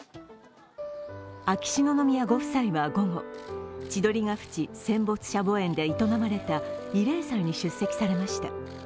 秋篠宮ご夫妻は午後千鳥ヶ淵戦没者墓苑で営まれた慰霊祭に出席されました。